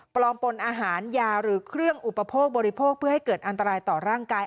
ปนอาหารยาหรือเครื่องอุปโภคบริโภคเพื่อให้เกิดอันตรายต่อร่างกาย